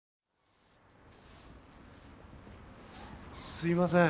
すいません。